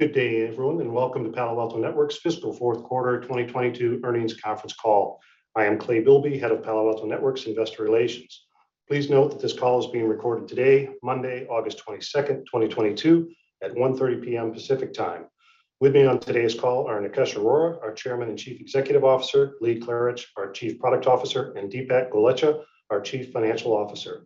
Good day, everyone, and welcome to Palo Alto Networks' fiscal fourth quarter 2022 earnings conference call. I am Clay Bilby, Head of Palo Alto Networks Investor Relations. Please note that this call is being recorded today, Monday, August 22nd, 2022 at 1:30 P.M. Pacific Time. With me on today's call are Nikesh Arora, our Chairman and Chief Executive Officer, Lee Klarich, our Chief Product Officer, and Dipak Golechha, our Chief Financial Officer.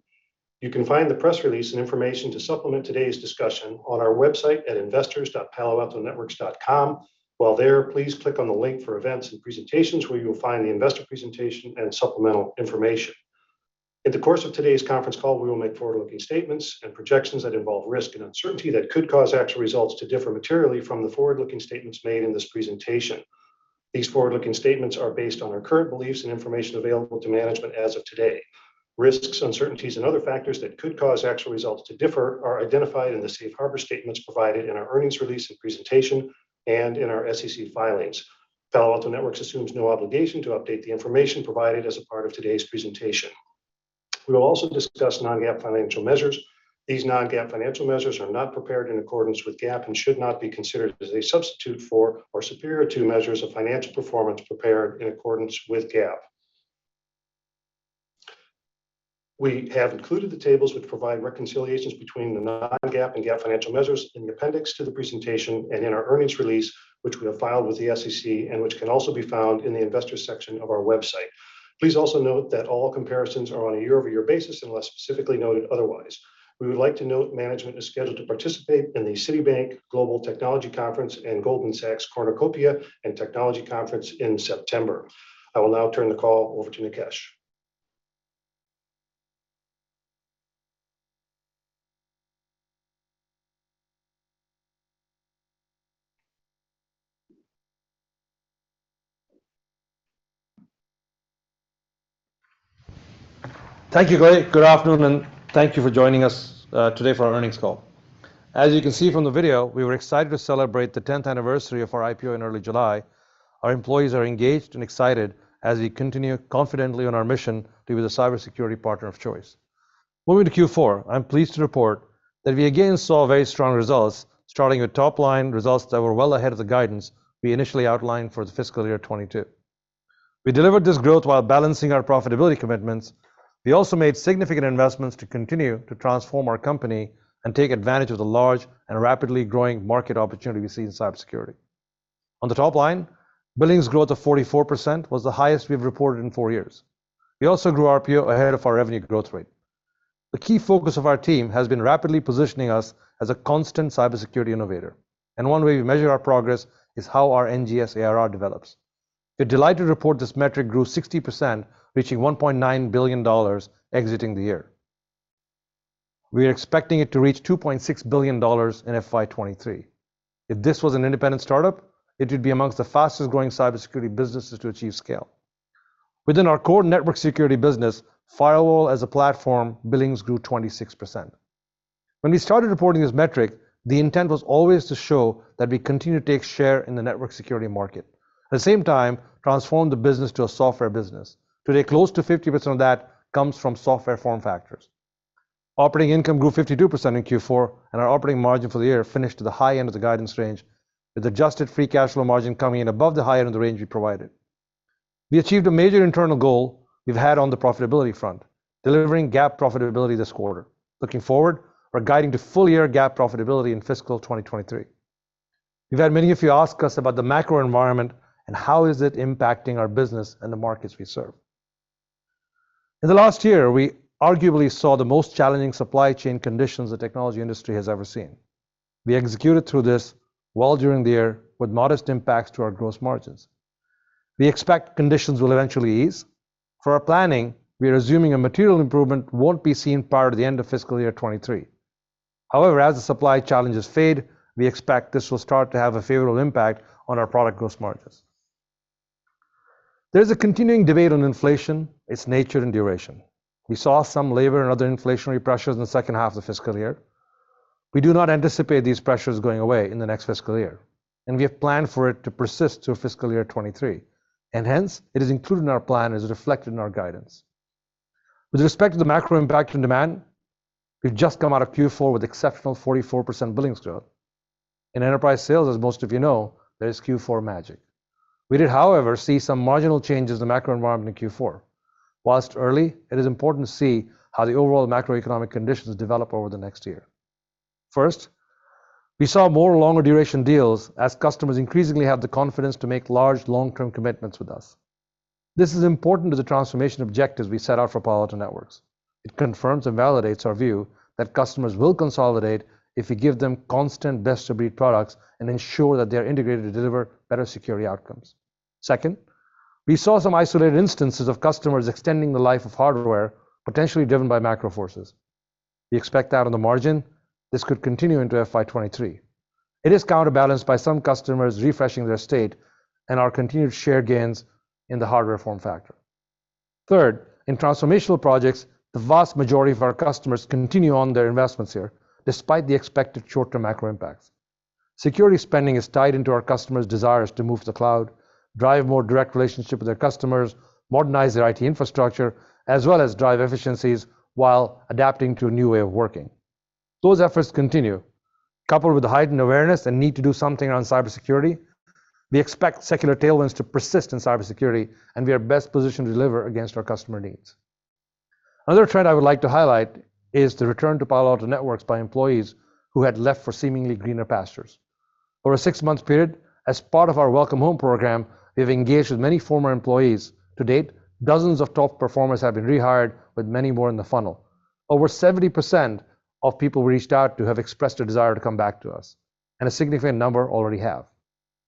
You can find the press release and information to supplement today's discussion on our website at investors.paloaltonetworks.com. While there, please click on the link for events and presentations, where you will find the investor presentation and supplemental information. In the course of today's conference call, we will make forward-looking statements and projections that involve risk and uncertainty that could cause actual results to differ materially from the forward-looking statements made in this presentation. These forward-looking statements are based on our current beliefs and information available to management as of today. Risks, uncertainties, and other factors that could cause actual results to differ are identified in the safe harbor statements provided in our earnings release and presentation and in our SEC filings. Palo Alto Networks assumes no obligation to update the information provided as a part of today's presentation. We will also discuss non-GAAP financial measures. These non-GAAP financial measures are not prepared in accordance with GAAP and should not be considered as a substitute for or superior to measures of financial performance prepared in accordance with GAAP. We have included the tables which provide reconciliations between the non-GAAP and GAAP financial measures in the appendix to the presentation and in our earnings release, which we have filed with the SEC and which can also be found in the investors section of our website. Please also note that all comparisons are on a year-over-year basis unless specifically noted otherwise. We would like to note management is scheduled to participate in the Citi Global Technology Conference and Goldman Sachs Communacopia and Technology Conference in September. I will now turn the call over to Nikesh. Thank you, Clay. Good afternoon, and thank you for joining us today for our earnings call. As you can see from the video, we were excited to celebrate the tenth anniversary of our IPO in early July. Our employees are engaged and excited as we continue confidently on our mission to be the cybersecurity partner of choice. Moving to Q4, I'm pleased to report that we again saw very strong results, starting with top-line results that were well ahead of the guidance we initially outlined for the fiscal year 2022. We delivered this growth while balancing our profitability commitments. We also made significant investments to continue to transform our company and take advantage of the large and rapidly growing market opportunity we see in cybersecurity. On the top line, billings growth of 44% was the highest we've reported in four years. We also grew our PO ahead of our revenue growth rate. The key focus of our team has been rapidly positioning us as a constant cybersecurity innovator, and one way we measure our progress is how our NGS ARR develops. We're delighted to report this metric grew 60%, reaching $1.9 billion exiting the year. We are expecting it to reach $2.6 billion in FY 2023. If this was an independent startup, it would be amongst the fastest-growing cybersecurity businesses to achieve scale. Within our core network security business, Firewall as a Platform billings grew 26%. When we started reporting this metric, the intent was always to show that we continue to take share in the network security market. At the same time, transform the business to a software business. Today, close to 50% of that comes from software form factors. Operating income grew 52% in Q4, and our operating margin for the year finished at the high end of the guidance range, with adjusted free cash flow margin coming in above the high end of the range we provided. We achieved a major internal goal we've had on the profitability front, delivering GAAP profitability this quarter. Looking forward, we're guiding to full-year GAAP profitability in fiscal 2023. We've had many of you ask us about the macro environment and how is it impacting our business and the markets we serve. In the last year, we arguably saw the most challenging supply chain conditions the technology industry has ever seen. We executed through this well during the year with modest impacts to our gross margins. We expect conditions will eventually ease. For our planning, we are assuming a material improvement won't be seen prior to the end of fiscal year 2023. However, as the supply challenges fade, we expect this will start to have a favorable impact on our product gross margins. There's a continuing debate on inflation, its nature, and duration. We saw some labor and other inflationary pressures in the second half of the fiscal year. We do not anticipate these pressures going away in the next fiscal year, and we have planned for it to persist to fiscal year 2023. Hence, it is included in our plan as reflected in our guidance. With respect to the macro impact on demand, we've just come out of Q4 with exceptional 44% billings growth. In enterprise sales, as most of you know, there is Q4 magic. We did, however, see some marginal changes in the macro environment in Q4. While early, it is important to see how the overall macroeconomic conditions develop over the next year. First, we saw more longer duration deals as customers increasingly have the confidence to make large long-term commitments with us. This is important to the transformation objectives we set out for Palo Alto Networks. It confirms and validates our view that customers will consolidate if we give them constant best-of-breed products and ensure that they are integrated to deliver better security outcomes. Second, we saw some isolated instances of customers extending the life of hardware, potentially driven by macro forces. We expect that on the margin, this could continue into FY 2023. It is counterbalanced by some customers refreshing their estate and our continued share gains in the hardware form factor. Third, in transformational projects, the vast majority of our customers continue on their investments here, despite the expected short-term macro impacts. Security spending is tied into our customers' desires to move to the cloud, drive more direct relationship with their customers, modernize their IT infrastructure, as well as drive efficiencies while adapting to a new way of working. Those efforts continue coupled with the heightened awareness and need to do something around cybersecurity. We expect secular tailwinds to persist in cybersecurity, and we are best positioned to deliver against our customer needs. Another trend I would like to highlight is the return to Palo Alto Networks by employees who had left for seemingly greener pastures. Over a six-month period, as part of our Welcome Home program, we have engaged with many former employees. To date, dozens of top performers have been rehired, with many more in the funnel. Over 70% of people reached out to have expressed a desire to come back to us, and a significant number already have.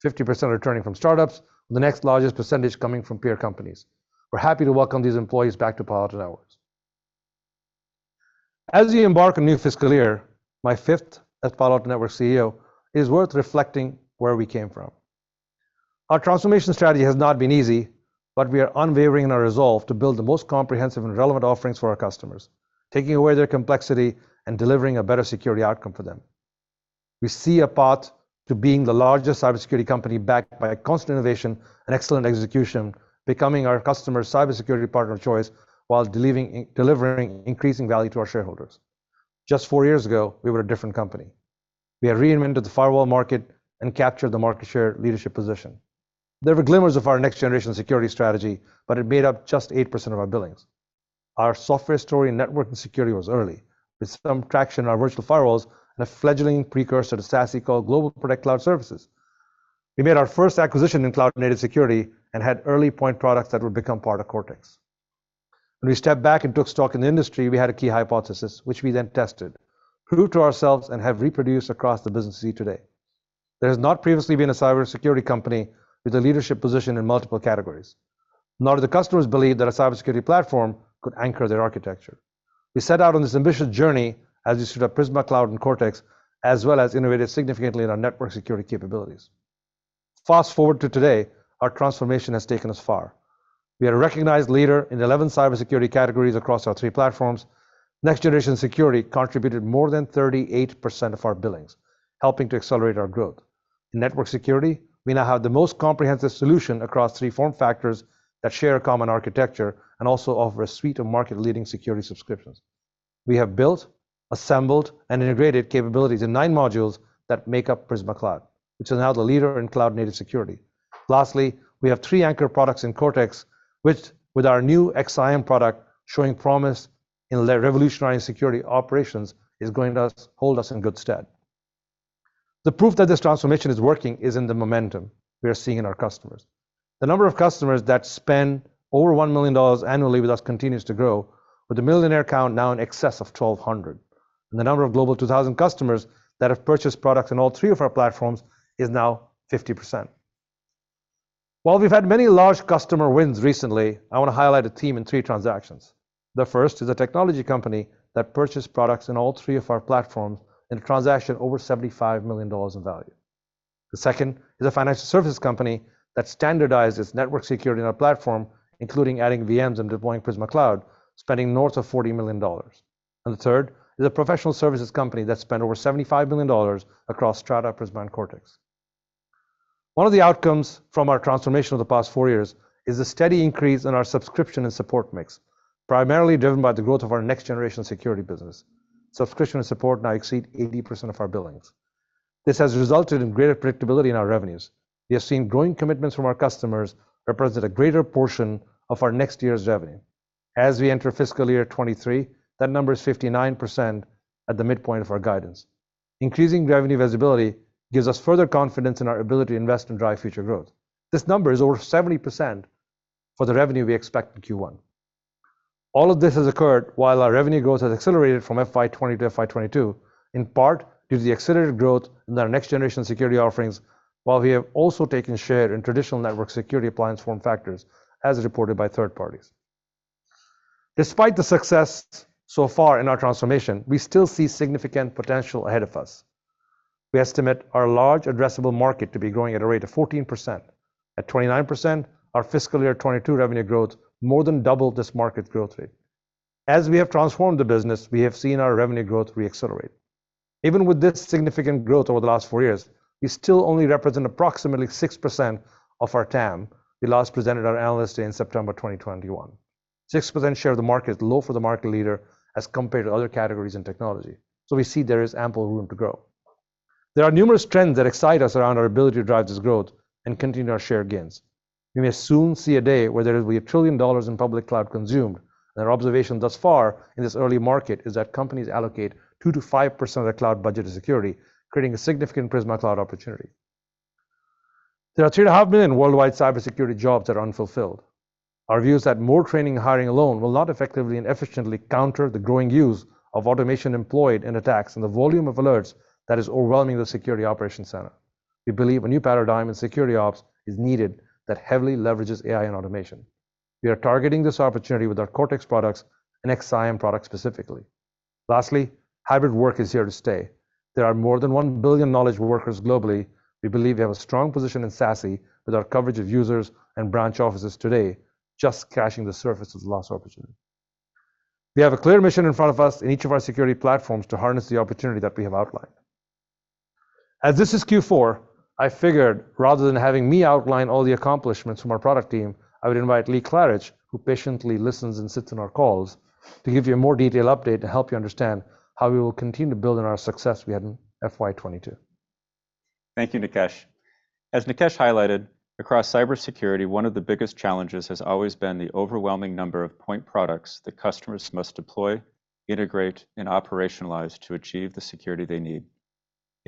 50% are returning from startups, the next largest percentage coming from peer companies. We're happy to welcome these employees back to Palo Alto Networks. As we embark on a new fiscal year, my fifth as Palo Alto Networks' CEO, it is worth reflecting where we came from. Our transformation strategy has not been easy, but we are unwavering in our resolve to build the most comprehensive and relevant offerings for our customers, taking away their complexity and delivering a better security outcome for them. We see a path to being the largest cybersecurity company backed by constant innovation and excellent execution, becoming our customers' cybersecurity partner of choice while delivering increasing value to our shareholders. Just four years ago, we were a different company. We have reinvented the firewall market and captured the market share leadership position. There were glimmers of our next-generation security strategy, but it made up just 8% of our billings. Our software story in network and security was early, with some traction on our virtual firewalls and a fledgling precursor to SASE called GlobalProtect cloud service. We made our first acquisition in cloud-native security and had early point products that would become part of Cortex. When we stepped back and took stock in the industry, we had a key hypothesis, which we then tested, proved to ourselves, and have reproduced across the business of today. There has not previously been a cybersecurity company with a leadership position in multiple categories, nor do the customers believe that a cybersecurity platform could anchor their architecture. We set out on this ambitious journey as you see the Prisma Cloud and Cortex, as well as innovated significantly in our network security capabilities. Fast-forward to today, our transformation has taken us far. We are a recognized leader in 11 cybersecurity categories across our three platforms. Next-generation security contributed more than 38% of our billings, helping to accelerate our growth. In network security, we now have the most comprehensive solution across three form factors that share a common architecture and also offer a suite of market-leading security subscriptions. We have built, assembled, and integrated capabilities in nine modules that make up Prisma Cloud, which is now the leader in cloud-native security. Lastly, we have three anchor products in Cortex, which, with our new Cortex XSIAM product showing promise in their revolutionary security operations, is going to hold us in good stead. The proof that this transformation is working is in the momentum we are seeing in our customers. The number of customers that spend over $1 million annually with us continues to grow, with the millionaire count now in excess of 1,200, and the number of Global 2000 customers that have purchased products on all three of our platforms is now 50%. While we've had many large customer wins recently, I want to highlight top three transactions. The first is a technology company that purchased products in all three of our platforms in a transaction over $75 million in value. The second is a financial service company that standardized its network security on our platform, including adding VMs and deploying Prisma Cloud, spending north of $40 million. The third is a professional services company that spent over $75 million across Strata, Prisma, and Cortex. One of the outcomes from our transformation over the past four years is a steady increase in our subscription and support mix, primarily driven by the growth of our next-generation security business. Subscription and support now exceed 80% of our billings. This has resulted in greater predictability in our revenues. We have seen growing commitments from our customers represent a greater portion of our next year's revenue. As we enter fiscal year 2023, that number is 59% at the midpoint of our guidance. Increasing revenue visibility gives us further confidence in our ability to invest and drive future growth. This number is over 70% for the revenue we expect in Q1. All of this has occurred while our revenue growth has accelerated from FY 2020 to FY 2022, in part due to the accelerated growth in our next-generation security offerings, while we have also taken share in traditional network security appliance form factors as reported by third parties. Despite the success so far in our transformation, we still see significant potential ahead of us. We estimate our large addressable market to be growing at a rate of 14%. At 29%, our fiscal year 2022 revenue growth more than doubled this market growth rate. As we have transformed the business, we have seen our revenue growth re-accelerate. Even with this significant growth over the last four years, we still only represent approximately 6% of our TAM. We last presented our analyst day in September 2021. 6% share of the market is low for the market leader as compared to other categories in technology. We see there is ample room to grow. There are numerous trends that excite us around our ability to drive this growth and continue our share gains. We may soon see a day where there will be trillion dollars in public cloud consumed, and our observation thus far in this early market is that companies allocate 2%-5% of their cloud budget to security, creating a significant Prisma Cloud opportunity. There are 2.5 million worldwide cybersecurity jobs that are unfulfilled. Our view is that more training and hiring alone will not effectively and efficiently counter the growing use of automation employed in attacks and the volume of alerts that is overwhelming the security operations center. We believe a new paradigm in security ops is needed that heavily leverages AI and automation. We are targeting this opportunity with our Cortex products and XSIAM products specifically. Lastly, hybrid work is here to stay. There are more than 1 billion knowledge workers globally. We believe we have a strong position in SASE with our coverage of users and branch offices today, just scratching the surface of this last opportunity. We have a clear mission in front of us in each of our security platforms to harness the opportunity that we have outlined. As this is Q4, I figured rather than having me outline all the accomplishments from our product team, I would invite Lee Klarich, who patiently listens and sits in our calls to give you a more detailed update to help you understand how we will continue to build on our success we had in FY 2022. Thank you, Nikesh. As Nikesh highlighted, across cybersecurity, one of the biggest challenges has always been the overwhelming number of point products that customers must deploy, integrate, and operationalize to achieve the security they need.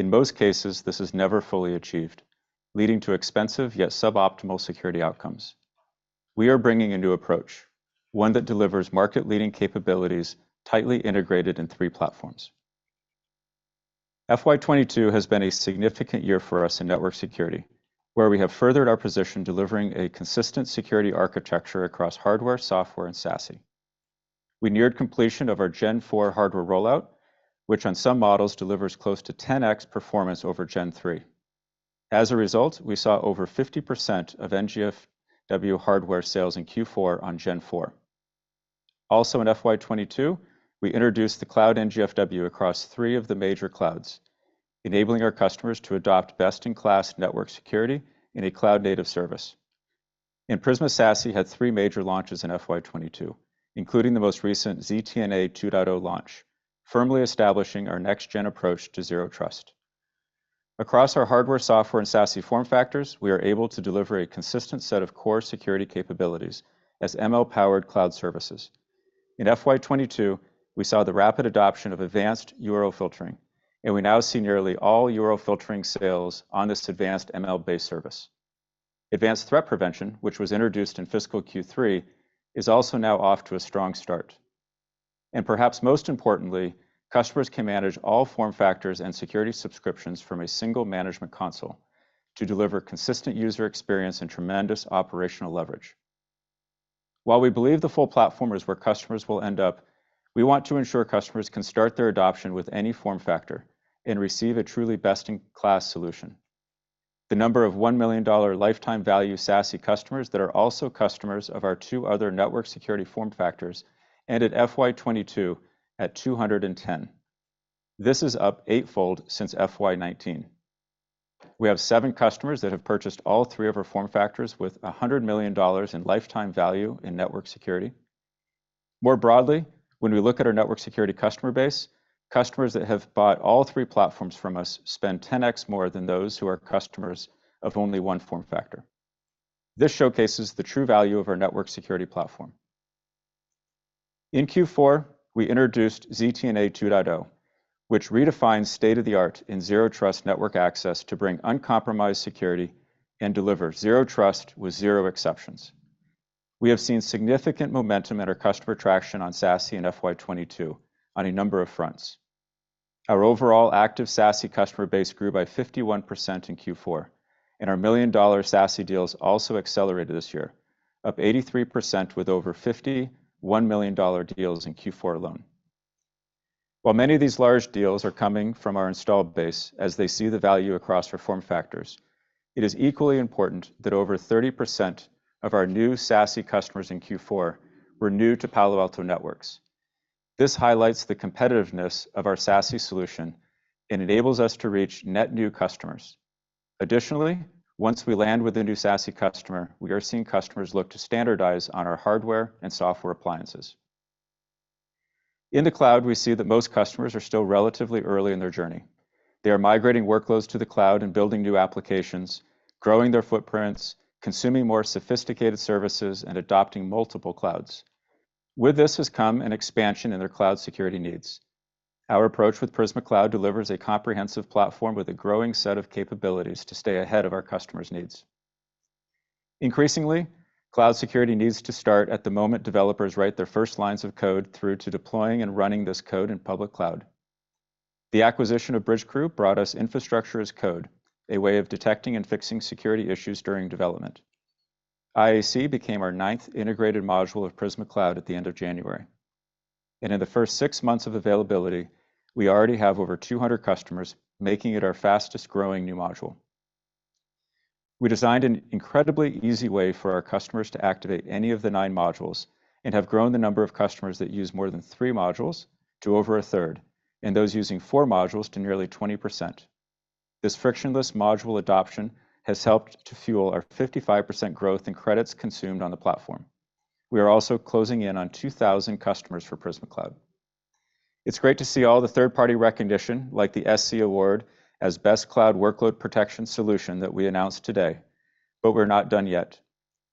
In most cases, this is never fully achieved, leading to expensive yet suboptimal security outcomes. We are bringing a new approach, one that delivers market-leading capabilities tightly integrated in three platforms. FY 2022 has been a significant year for us in network security, where we have furthered our position delivering a consistent security architecture across hardware, software, and SASE. We neared completion of our Gen 4 hardware rollout, which on some models delivers close to 10x performance over Gen 3. As a result, we saw over 50% of NGFW hardware sales in Q4 on Gen 4. Also in FY 2022, we introduced the Cloud NGFW across three of the major clouds, enabling our customers to adopt best-in-class network security in a cloud-native service. Prisma SASE had three major launches in FY 2022, including the most recent ZTNA 2.0 launch, firmly establishing our next-gen approach to Zero Trust. Across our hardware, software, and SASE form factors, we are able to deliver a consistent set of core security capabilities as ML-powered cloud services. In FY 2022, we saw the rapid adoption of Advanced URL Filtering, and we now see nearly all URL filtering sales on this advanced ML-based service. Advanced Threat Prevention, which was introduced in fiscal Q3, is also now off to a strong start. Perhaps most importantly, customers can manage all form factors and security subscriptions from a single management console to deliver consistent user experience and tremendous operational leverage. While we believe the full platform is where customers will end up, we want to ensure customers can start their adoption with any form factor and receive a truly best-in-class solution. The number of $1 million lifetime value SASE customers that are also customers of our two other network security form factors ended FY 2022 at 210. This is up eightfold since FY 2019. We have seven customers that have purchased all three of our form factors with $100 million in lifetime value in network security. More broadly, when we look at our network security customer base, customers that have bought all three platforms from us spend 10x more than those who are customers of only one form factor. This showcases the true value of our network security platform. In Q4, we introduced ZTNA 2.0, which redefines state-of-the-art in zero trust network access to bring uncompromised security and deliver zero trust with zero exceptions. We have seen significant momentum in our customer traction on SASE in FY 2022 on a number of fronts. Our overall active SASE customer base grew by 51% in Q4, and our million-dollar SASE deals also accelerated this year, up 83% with over 51 million-dollar deals in Q4 alone. While many of these large deals are coming from our installed base as they see the value across our form factors, it is equally important that over 30% of our new SASE customers in Q4 were new to Palo Alto Networks. This highlights the competitiveness of our SASE solution and enables us to reach net new customers. Additionally, once we land with a new SASE customer, we are seeing customers look to standardize on our hardware and software appliances. In the cloud, we see that most customers are still relatively early in their journey. They are migrating workloads to the cloud and building new applications, growing their footprints, consuming more sophisticated services, and adopting multiple clouds. With this has come an expansion in their cloud security needs. Our approach with Prisma Cloud delivers a comprehensive platform with a growing set of capabilities to stay ahead of our customers' needs. Increasingly, cloud security needs to start at the moment developers write their first lines of code through to deploying and running this code in public cloud. The acquisition of Bridgecrew brought us Infrastructure as Code, a way of detecting and fixing security issues during development. IaC became our ninth integrated module of Prisma Cloud at the end of January. In the first six months of availability, we already have over 200 customers, making it our fastest growing new module. We designed an incredibly easy way for our customers to activate any of the nine modules and have grown the number of customers that use more than three modules to over a third, and those using four modules to nearly 20%. This frictionless module adoption has helped to fuel our 55% growth in credits consumed on the platform. We are also closing in on 2,000 customers for Prisma Cloud. It's great to see all the third-party recognition like the SC Award as Best Cloud Workload Protection Solution that we announced today. We're not done yet.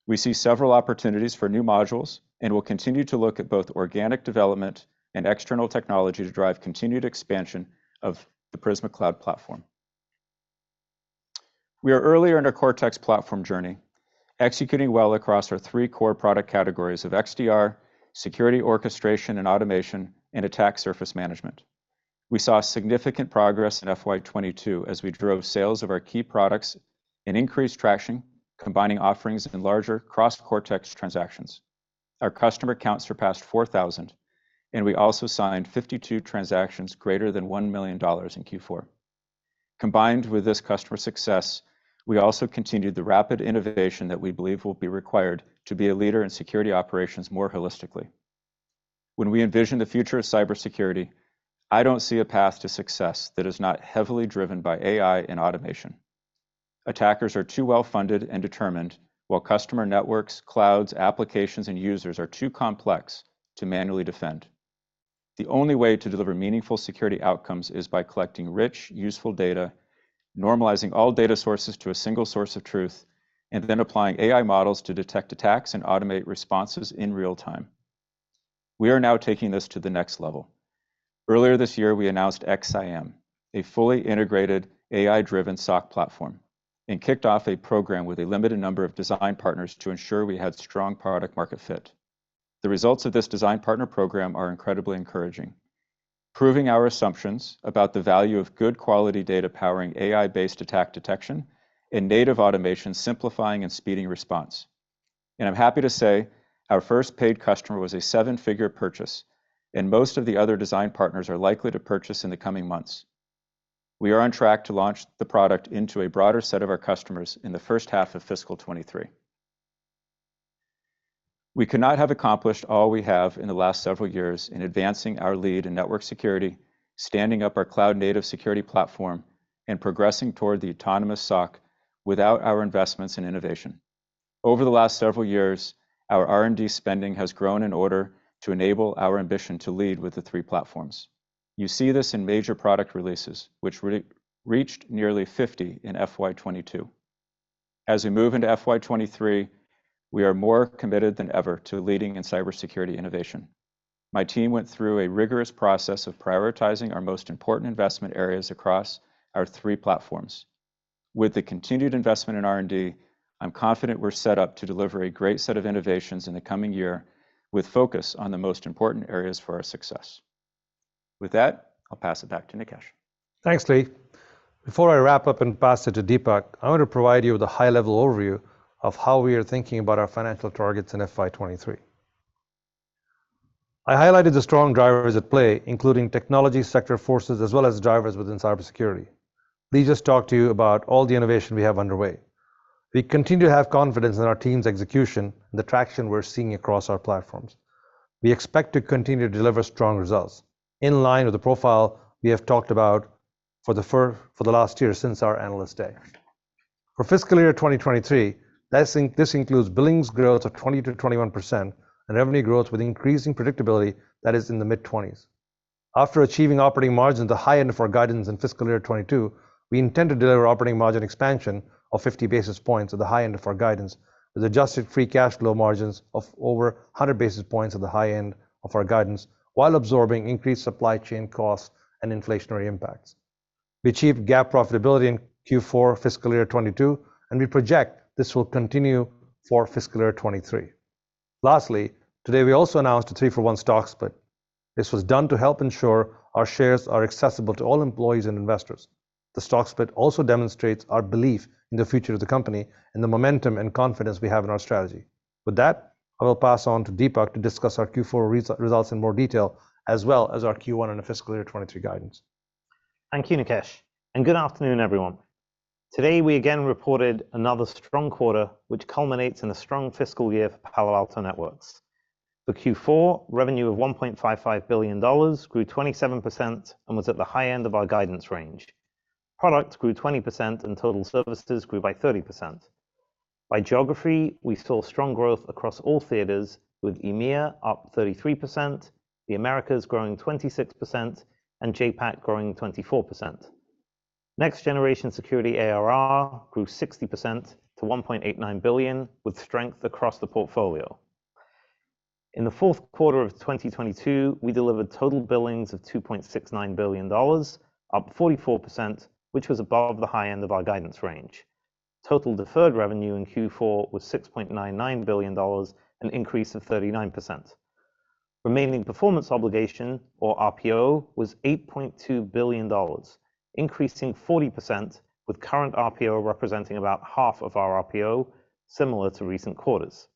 We see several opportunities for new modules, and we'll continue to look at both organic development and external technology to drive continued expansion of the Prisma Cloud platform. We are earlier in our Cortex platform journey, executing well across our three core product categories of XDR, security orchestration and automation, and attack surface management. We saw significant progress in FY 2022 as we drove sales of our key products and increased traction, combining offerings in larger cross-Cortex transactions. Our customer count surpassed 4,000, and we also signed 52 transactions greater than $1 million in Q4. Combined with this customer success, we also continued the rapid innovation that we believe will be required to be a leader in security operations more holistically. When we envision the future of cybersecurity, I don't see a path to success that is not heavily driven by AI and automation. Attackers are too well-funded and determined, while customer networks, clouds, applications, and users are too complex to manually defend. The only way to deliver meaningful security outcomes is by collecting rich, useful data, normalizing all data sources to a single source of truth, and then applying AI models to detect attacks and automate responses in real time. We are now taking this to the next level. Earlier this year, we announced XSIAM, a fully integrated AI-driven SOC platform, and kicked off a program with a limited number of design partners to ensure we had strong product market fit. The results of this design partner program are incredibly encouraging, proving our assumptions about the value of good quality data powering AI-based attack detection and native automation simplifying and speeding response. I'm happy to say our first paid customer was a seven-figure purchase, and most of the other design partners are likely to purchase in the coming months. We are on track to launch the product into a broader set of our customers in the first half of fiscal 2023. We could not have accomplished all we have in the last several years in advancing our lead in network security, standing up our cloud-native security platform, and progressing toward the autonomous SOC without our investments in innovation. Over the last several years, our R&D spending has grown in order to enable our ambition to lead with the three platforms. You see this in major product releases, which reached nearly 50 in FY 2022. As we move into FY 2023, we are more committed than ever to leading in cybersecurity innovation. My team went through a rigorous process of prioritizing our most important investment areas across our three platforms. With the continued investment in R&D, I'm confident we're set up to deliver a great set of innovations in the coming year, with focus on the most important areas for our success. With that, I'll pass it back to Nikesh. Thanks, Lee. Before I wrap up and pass it to Dipak, I want to provide you with a high-level overview of how we are thinking about our financial targets in FY 2023. I highlighted the strong drivers at play, including technology sector forces, as well as drivers within cybersecurity. Lee just talked to you about all the innovation we have underway. We continue to have confidence in our team's execution and the traction we're seeing across our platforms. We expect to continue to deliver strong results in line with the profile we have talked about for the last year since our Analyst Day. For fiscal year 2023, this includes billings growth of 20%-21% and revenue growth with increasing predictability that is in the mid-20s. After achieving operating margin at the high end of our guidance in fiscal year 2022, we intend to deliver operating margin expansion of 50 basis points at the high end of our guidance, with adjusted free cash flow margins of over 100 basis points at the high end of our guidance while absorbing increased supply chain costs and inflationary impacts. We achieved GAAP profitability in Q4 fiscal year 2022, and we project this will continue for fiscal year 2023. Lastly, today we also 3-for-1 stock split. This was done to help ensure our shares are accessible to all employees and investors. The stock split also demonstrates our belief in the future of the company and the momentum and confidence we have in our strategy. With that, I will pass on to Dipak to discuss our Q4 results in more detail, as well as our Q1 and fiscal year 2023 guidance. Thank you, Nikesh, and good afternoon, everyone. Today, we again reported another strong quarter, which culminates in a strong fiscal year for Palo Alto Networks. For Q4, revenue of $1.55 billion grew 27% and was at the high end of our guidance range. Products grew 20% and total services grew by 30%. By geography, we saw strong growth across all theaters, with EMEA up 33%, the Americas growing 26%, and JPAC growing 24%. Next-generation security ARR grew 60% to $1.89 billion, with strength across the portfolio. In the fourth quarter of 2022, we delivered total billings of $2.69 billion, up 44%, which was above the high end of our guidance range. Total deferred revenue in Q4 was $6.99 billion, an increase of 39%. Remaining performance obligation, or RPO, was $8.2 billion, increasing 40%, with current RPO representing about half of our RPO, similar to recent quarters.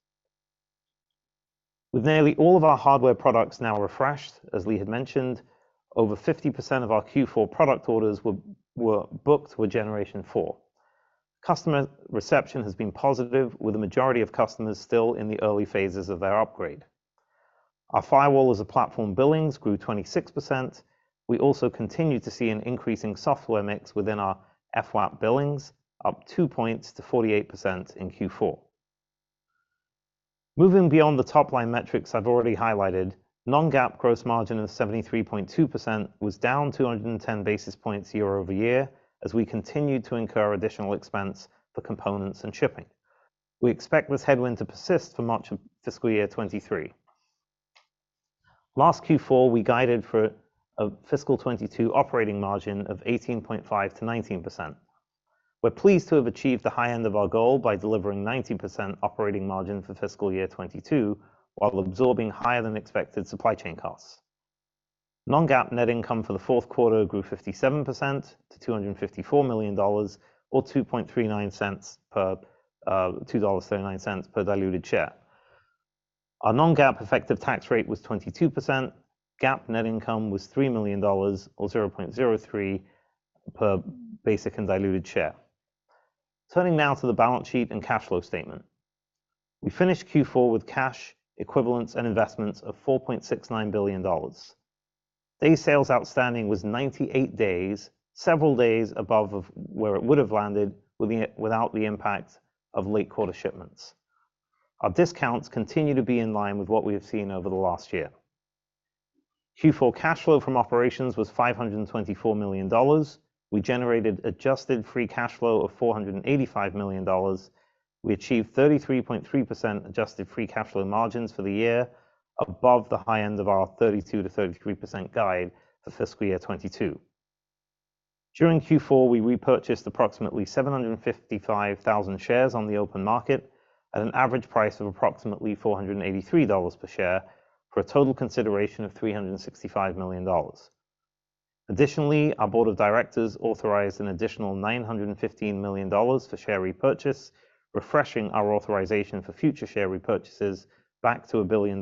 With nearly all of our hardware products now refreshed, as Lee had mentioned, over 50% of our Q4 product orders were booked with Generation 4. Customer reception has been positive, with the majority of customers still in the early phases of their upgrade. Our Firewall as a Platform billings grew 26%. We also continue to see an increase in software mix within our firewall billings, up two points to 48% in Q4. Moving beyond the top-line metrics I've already highlighted, non-GAAP gross margin of 73.2% was down 210 basis points year-over-year as we continued to incur additional expense for components and shipping. We expect this headwind to persist for much of fiscal year 2023. Last Q4, we guided for a fiscal 2022 operating margin of 18.5%-19%. We're pleased to have achieved the high end of our goal by delivering 19% operating margin for fiscal year 2022 while absorbing higher-than-expected supply chain costs. non-GAAP net income for the fourth quarter grew 57% to $254 million or $2.39 per diluted share. Our non-GAAP effective tax rate was 22%. GAAP net income was $3 million, or $0.03 per basic and diluted share. Turning now to the balance sheet and cash flow statement. We finished Q4 with cash equivalents and investments of $4.69 billion. Days sales outstanding was 98 days, several days above where it would have landed without the impact of late quarter shipments. Our discounts continue to be in line with what we have seen over the last year. Q4 cash flow from operations was $524 million. We generated adjusted free cash flow of $485 million. We achieved 33.3% adjusted free cash flow margins for the year above the high end of our 32%-33% guide for fiscal year 2022. During Q4, we repurchased approximately 755,000 shares on the open market at an average price of approximately $483 per share for a total consideration of $365 million. Additionally, our board of directors authorized an additional $915 million for share repurchase, refreshing our authorization for future share repurchases back to $1 billion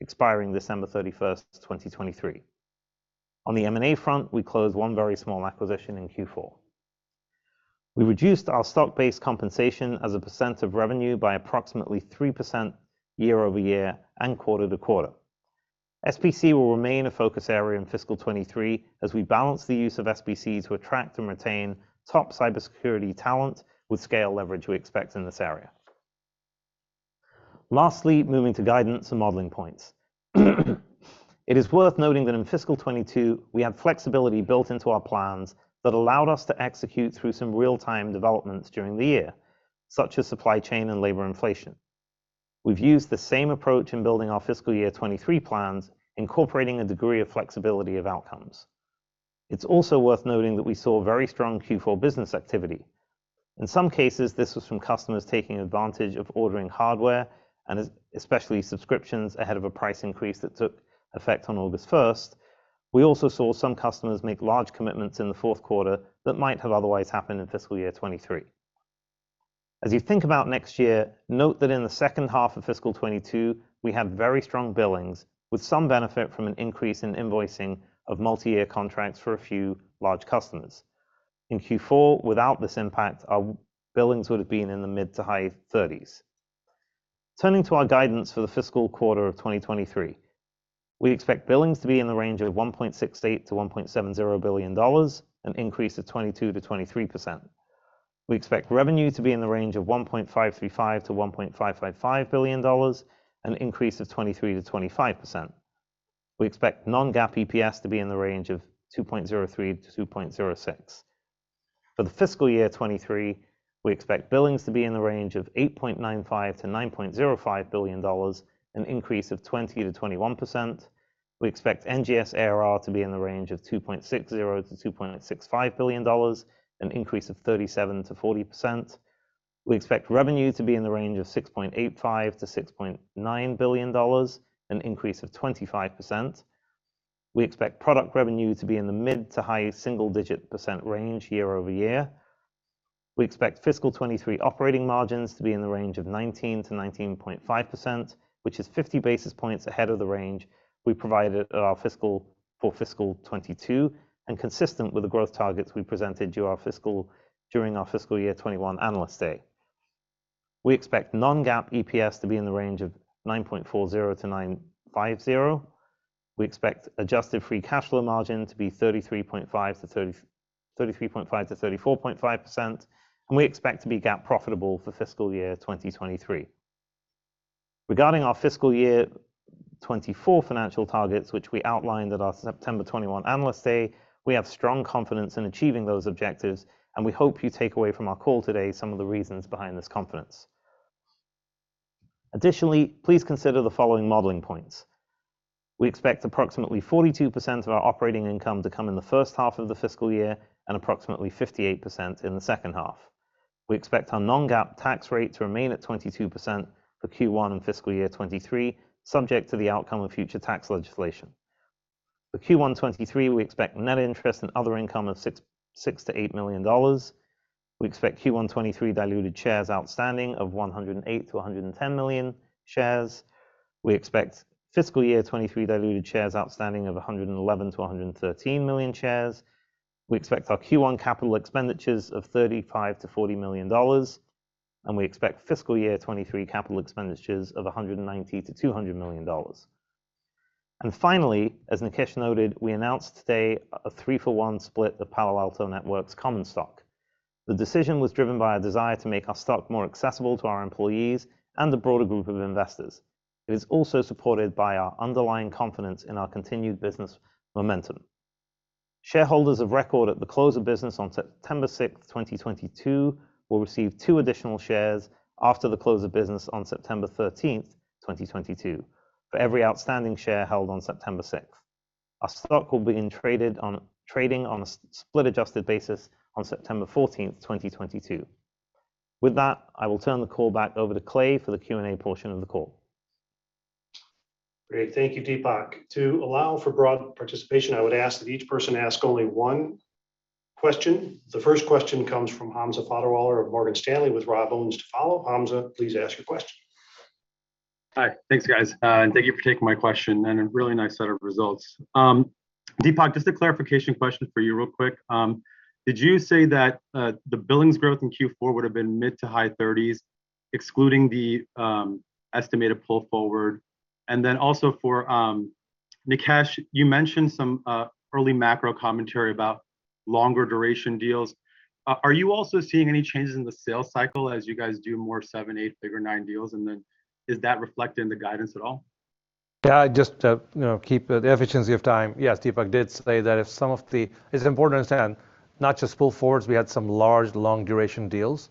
expiring December 31, 2023. On the M&A front, we closed one very small acquisition in Q4. We reduced our stock-based compensation as a percent of revenue by approximately 3% year-over-year and quarter-to-quarter. SBC will remain a focus area in fiscal 2023 as we balance the use of SBC to attract and retain top cybersecurity talent with scale leverage we expect in this area. Lastly, moving to guidance and modeling points. It is worth noting that in fiscal 2022 we had flexibility built into our plans that allowed us to execute through some real-time developments during the year, such as supply chain and labor inflation. We've used the same approach in building our fiscal year 2023 plans, incorporating a degree of flexibility of outcomes. It's also worth noting that we saw very strong Q4 business activity. In some cases, this was from customers taking advantage of ordering hardware and especially subscriptions ahead of a price increase that took effect on August 1st. We also saw some customers make large commitments in the fourth quarter that might have otherwise happened in fiscal year 2023. As you think about next year, note that in the second half of fiscal 2022, we have very strong billings with some benefit from an increase in invoicing of multi-year contracts for a few large customers. In Q4, without this impact, our billings would have been in the mid- to high 30s. Turning to our guidance for the fiscal quarter of 2023, we expect billings to be in the range of $1.68 billion-$1.70 billion, an increase of 22%-23%. We expect revenue to be in the range of $1.535 billion-$1.555 billion, an increase of 23%-25%. We expect non-GAAP EPS to be in the range of $2.03-$2.06. For the fiscal year 2023, we expect billings to be in the range of $8.95 billion-$9.05 billion, an increase of 20%-21%. We expect NGS ARR to be in the range of $2.60 billion-$2.65 billion, an increase of 37%-40%. We expect revenue to be in the range of $6.85 billion-$6.9 billion, an increase of 25%. We expect product revenue to be in the mid to high single-digit percent range year over year. We expect fiscal 2023 operating margins to be in the range of 19%-19.5%, which is 50 basis points ahead of the range we provided for fiscal 2022 and consistent with the growth targets we presented during our fiscal year 2021 Analyst Day. We expect non-GAAP EPS to be in the range of 9.40-9.50. We expect adjusted free cash flow margin to be 33.5%-34.5%, and we expect to be GAAP profitable for fiscal year 2023. Regarding our fiscal year 2024 financial targets, which we outlined at our September 2021 Analyst Day, we have strong confidence in achieving those objectives, and we hope you take away from our call today some of the reasons behind this confidence. Additionally, please consider the following modeling points. We expect approximately 42% of our operating income to come in the first half of the fiscal year and approximately 58% in the second half. We expect our non-GAAP tax rate to remain at 22% for Q1 and fiscal year 2023, subject to the outcome of future tax legislation. For Q1 2023, we expect net interest and other income of $6 million-$8 million. We expect Q1 2023 diluted shares outstanding of 108 million-110 million shares. We expect fiscal year 2023 diluted shares outstanding of 111-113 million shares. We expect our Q1 capital expenditures of $35-$40 million, and we expect fiscal year 2023 capital expenditures of $190-$200 million. Finally, as Nikesh noted, we announced today a 3-for-1 split of Palo Alto Networks common stock. The decision was driven by a desire to make our stock more accessible to our employees and a broader group of investors. It is also supported by our underlying confidence in our continued business momentum. Shareholders of record at the close of business on September 6th, 2022 will receive two additional shares after the close of business on September 13th, 2022 for every outstanding share held on September 6th. Our stock will begin trading on a split-adjusted basis on September 14th, 2022. With that, I will turn the call back over to Clay for the Q&A portion of the call. Great. Thank you, Dipak. To allow for broad participation, I would ask that each person ask only one question. The first question comes from Hamza Fodderwala of Morgan Stanley, with Rob Owens to follow. Hamza, please ask your question. Hi. Thanks, guys. Thank you for taking my question, and a really nice set of results. Dipak, just a clarification question for you real quick. Did you say that the billings growth in Q4 would have been mid- to high-30s% excluding the estimated pull forward? For Nikesh, you mentioned some early macro commentary about longer duration deals. Are you also seeing any changes in the sales cycle as you guys do more seven, eight, figure nine deals? Is that reflected in the guidance at all? Yeah, just to, you know, keep the efficiency of time, yes, Dipak did say that if some of the. It's important to understand not just pull forwards, we had some large long duration deals,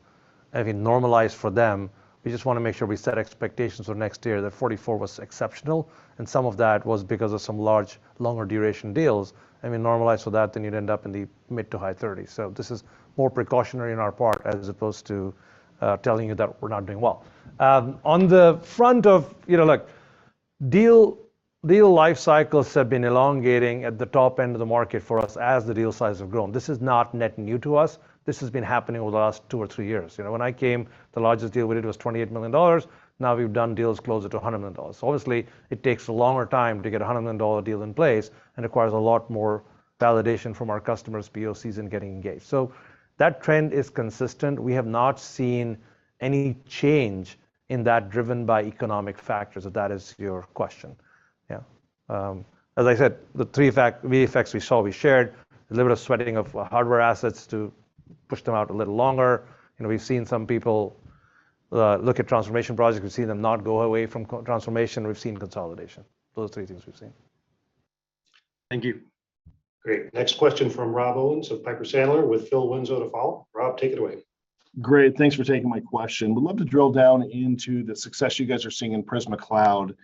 and we normalize for them. We just wanna make sure we set expectations for next year that 44 was exceptional, and some of that was because of some large longer duration deals. We normalize for that, then you'd end up in the mid- to high 30s. This is more precautionary on our part as opposed to telling you that we're not doing well. On the front of. You know, look, deal life cycles have been elongating at the top end of the market for us as the deal size have grown. This is not net new to us. This has been happening over the last two or three years. You know, when I came, the largest deal we did was $28 million. Now, we've done deals closer to $100 million. Obviously it takes a longer time to get a $100 million dollar deal in place and requires a lot more validation from our customers, POCs, and getting engaged. That trend is consistent. We have not seen any change in that driven by economic factors if that is your question. Yeah. As I said, the effects we saw, we shared. A little bit of sweating of hardware assets to push them out a little longer. You know, we've seen some people look at transformation projects. We've seen them not go away from co-transformation. We've seen consolidation. Those are three things we've seen. Thank you. Great. Next question from Rob Owens of Piper Sandler, with Philip Winslow to follow. Rob, take it away. Great. Thanks for taking my question. Would love to drill down into the success you guys are seeing in Prisma Cloud.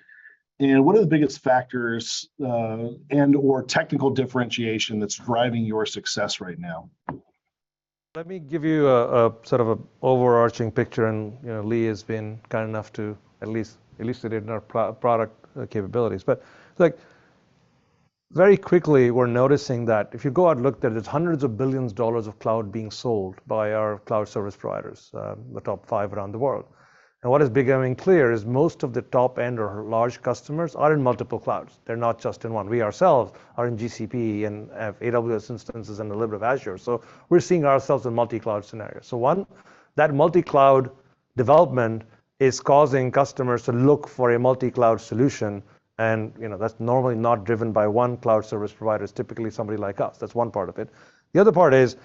What are the biggest factors, and/or technical differentiation that's driving your success right now? Let me give you a sort of an overarching picture, and you know, Lee has been kind enough to at least allude to our product capabilities. Look, very quickly, we're noticing that if you go out and look, there's hundreds of billions of dollars of cloud being sold by our cloud service providers, the top five around the world. What is becoming clear is most of the top end or large customers are in multiple clouds. They're not just in one. We ourselves are in GCP and have AWS instances and a little bit of Azure. We're seeing ourselves in multi-cloud scenarios. One, that multi-cloud development is causing customers to look for a multi-cloud solution, and you know, that's normally not driven by one cloud service provider. It's typically somebody like us. That's one part of it. The other part is,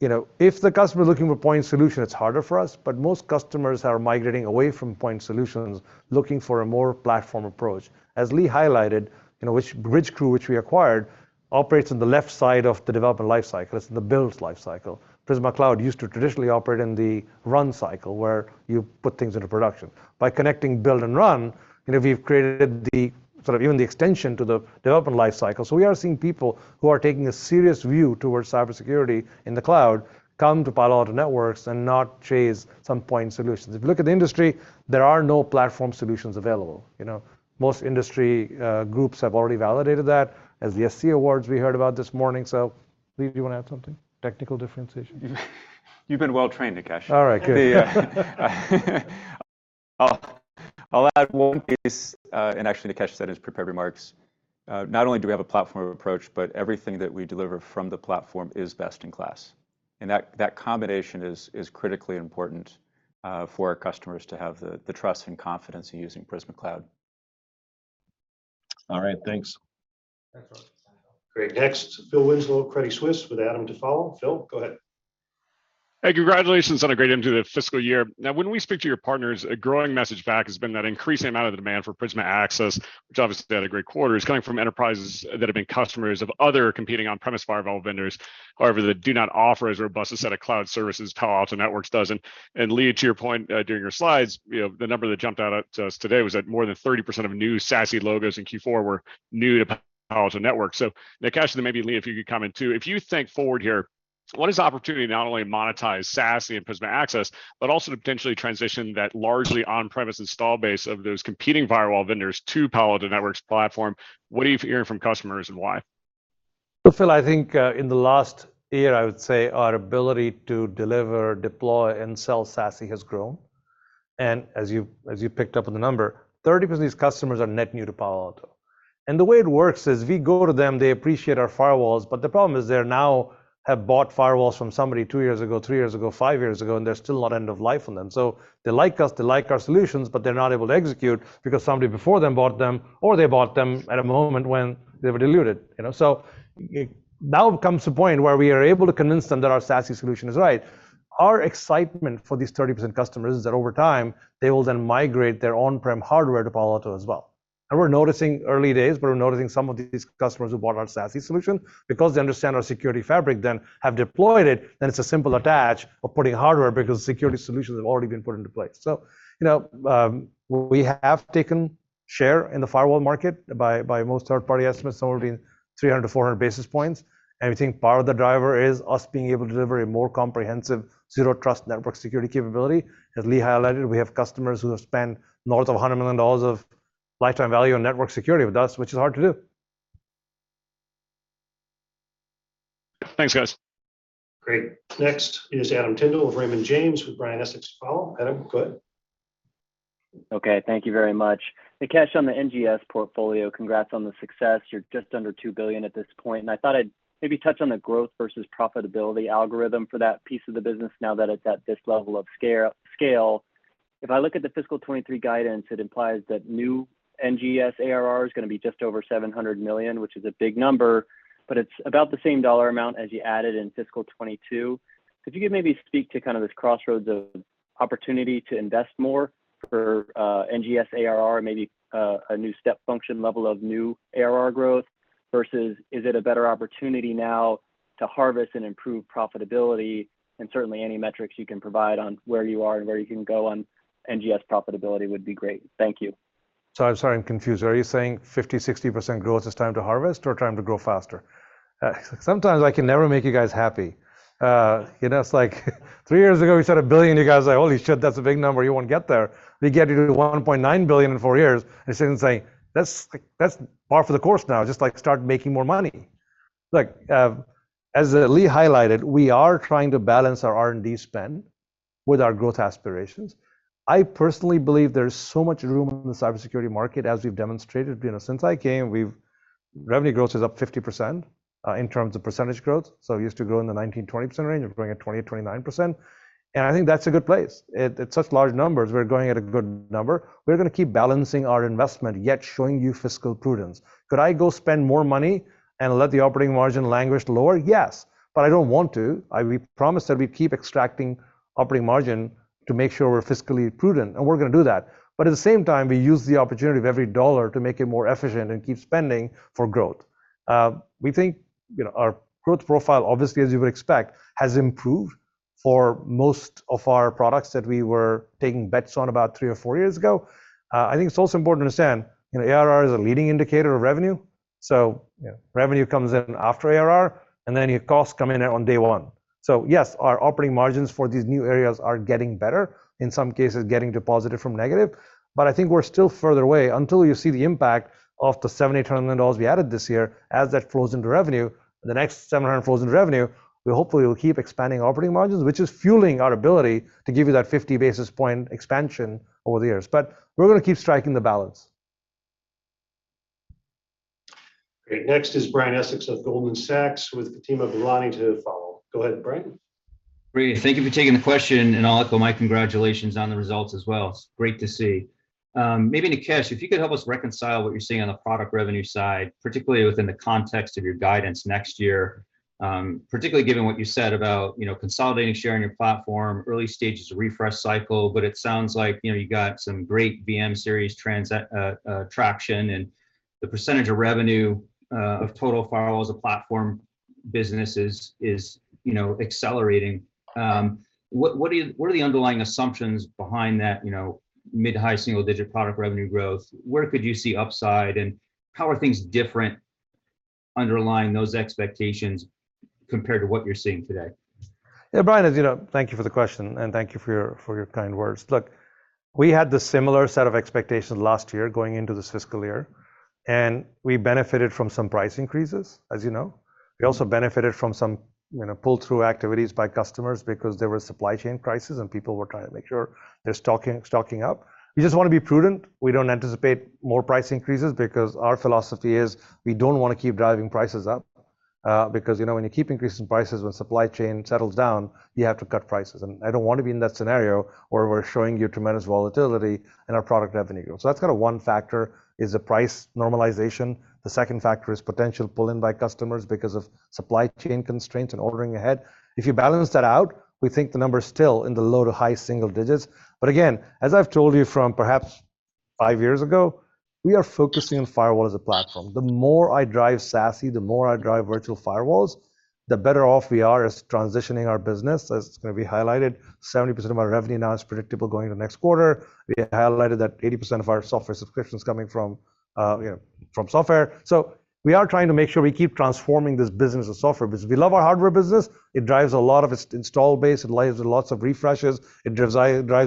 you know, if the customer's looking for a point solution, it's harder for us, but most customers are migrating away from point solutions, looking for a more platform approach. As Lee highlighted, you know, which Bridgecrew, which we acquired, operates on the left side of the development life cycle. It's in the build life cycle. Prisma Cloud used to traditionally operate in the run cycle, where you put things into production. By connecting build and run, you know, we've created the sort of even the extension to the development life cycle. We are seeing people who are taking a serious view towards cybersecurity in the cloud come to Palo Alto Networks and not chase some point solutions. If you look at the industry, there are no platform solutions available, you know. Most industry groups have already validated that, as the SC Awards we heard about this morning. Lee, do you wanna add something? Technical differentiation? You've been well-trained, Nikesh. All right, good. I'll add one piece, and actually, Nikesh said it in his prepared remarks, not only do we have a platform approach, but everything that we deliver from the platform is best in class. That combination is critically important for our customers to have the trust and confidence in using Prisma Cloud. All right, thanks. Great. Next, Philip Winslow, Credit Suisse, with Adam to follow. Phil, go ahead. Hey, congratulations on a great entry to the fiscal year. Now, when we speak to your partners, a growing message back has been that increasing amount of the demand for Prisma Access, which obviously had a great quarter, is coming from enterprises that have been customers of other competing on-premise firewall vendors, however, that do not offer as robust a set of cloud services, Palo Alto Networks does. Lee, to your point, during your slides, the number that jumped out at us today was that more than 30% of new SASE logos in Q4 were new to Palo Alto Networks. Nikesh, and then maybe Lee, if you could comment too, if you think forward here, what is the opportunity to not only monetize SASE and Prisma Access, but also to potentially transition that largely on-premise installed base of those competing firewall vendors to Palo Alto Networks platform? What are you hearing from customers, and why? Well, Phil, I think in the last year, I would say our ability to deliver, deploy, and sell SASE has grown. As you picked up on the number, 30% of these customers are net new to Palo Alto. The way it works is we go to them, they appreciate our firewalls, but the problem is they now have bought firewalls from somebody two years ago, three years ago, five years ago, and there's still a lot of end of life on them. They like us, they like our solutions, but they're not able to execute because somebody before them bought them or they bought them at a moment when they were diluted, you know? Now comes the point where we are able to convince them that our SASE solution is right. Our excitement for these 30% customers is that over time, they will then migrate their on-prem hardware to Palo Alto as well. We're noticing, early days, but we're noticing some of these customers who bought our SASE solution, because they understand our security fabric, then have deployed it, then it's a simple attach of putting hardware because security solutions have already been put into place. You know, we have taken share in the firewall market by most third-party estimates, somewhere between 300-400 basis points, and we think part of the driver is us being able to deliver a more comprehensive Zero Trust network security capability. As Lee highlighted, we have customers who have spent north of $100 million of lifetime value on network security with us, which is hard to do. Thanks, guys. Great. Next is Adam Tindle of Raymond James with Brian Essex to follow. Adam, go ahead. Okay. Thank you very much. Nikesh, on the NGS portfolio, congrats on the success. You're just under $2 billion at this point, and I thought I'd maybe touch on the growth versus profitability algorithm for that piece of the business now that it's at this level of scale. If I look the fiscal 2023 guidance, it implies that new NGS ARR is gonna be just over $700 million, which is a big number, but it's about the same dollar amount as you added in fiscal 2022. Could you maybe speak to kind of this crossroads of opportunity to invest more for NGS ARR, maybe a new step function level of new ARR growth, versus is it a better opportunity now to harvest and improve profitability? Certainly any metrics you can provide on where you are and where you can go on NGS profitability would be great. Thank you. I'm sorry, I'm confused. Are you saying 50%, 60% growth is time to harvest or time to grow faster? Sometimes I can never make you guys happy. You know, it's like three years ago we set a $1 billion, you guys are like, "Holy shit, that's a big number. You won't get there." We get to $1.9 billion in four years, and you're saying, "That's like, that's par for the course now. Just, like, start making more money." Look, as Lee highlighted, we are trying to balance our R&D spend with our growth aspirations. I personally believe there's so much room in the cybersecurity market as we've demonstrated. You know, since I came, revenue growth is up 50% in terms of percentage growth. It used to grow in the 19%-20% range. We're growing at 20%-29%. I think that's a good place. It's such large numbers, we're growing at a good number. We're gonna keep balancing our investment, yet showing you fiscal prudence. Could I go spend more money and let the operating margin languish lower? Yes, but I don't want to. We promised that we'd keep extracting operating margin to make sure we're fiscally prudent, and we're gonna do that. At the same time, we use the opportunity of every dollar to make it more efficient and keep spending for growth. We think, you know, our growth profile, obviously as you would expect, has improved for most of our products that we were taking bets on about three or four years ago. I think it's also important to understand, you know, ARR is a leading indicator of revenue. You know, revenue comes in after ARR, and then your costs come in on day one. Yes, our operating margins for these new areas are getting better, in some cases getting to positive from negative, but I think we're still further away. Until you see the impact of the $70 million we added this year, as that flows into revenue, the next $700 flows into revenue, we hopefully will keep expanding operating margins, which is fueling our ability to give you that 50 basis points expansion over the years. We're gonna keep striking the balance. Great. Next is Brian Essex of Goldman Sachs with Fatima Boolani to follow. Go ahead, Brian. Great. Thank you for taking the question, and I'll echo my congratulations on the results as well. It's great to see. Maybe, Nikesh, if you could help us reconcile what you're seeing on the product revenue side, particularly within the context of your guidance next year, particularly given what you said about, you know, consolidating, sharing your platform, early stages of refresh cycle, but it sounds like, you know, you got some great VM-Series traction and the percentage of revenue of total Firewall as a Platform business is accelerating. What are the underlying assumptions behind that, you know, mid-high single-digit product revenue growth? Where could you see upside, and how are things different underlying those expectations compared to what you're seeing today? Yeah. Brian, as you know, thank you for the question, and thank you for your kind words. Look, we had the similar set of expectations last year going into this fiscal year, and we benefited from some price increases, as you know. We also benefited from some, you know, pull-through activities by customers because there were supply chain crises and people were trying to make sure they're stocking up. We just wanna be prudent. We don't anticipate more price increases because our philosophy is we don't wanna keep driving prices up, because, you know, when you keep increasing prices, when supply chain settles down, you have to cut prices. I don't want to be in that scenario where we're showing you tremendous volatility in our product revenue. That's kind of one factor is the price normalization. The second factor is potential pull-in by customers because of supply chain constraints and ordering ahead. If you balance that out, we think the number is still in the low to high single digits. Again, as I've told you from perhaps five years ago, we are focusing on Firewall as a Platform. The more I drive SASE, the more I drive virtual firewalls, the better off we are as transitioning our business. As gonna be highlighted, 70% of our revenue now is predictable going into next quarter. We highlighted that 80% of our software subscription is coming from, you know, from software. We are trying to make sure we keep transforming this business a software business. We love our hardware business. It drives a lot of its install base, it allows lots of refreshes, it drives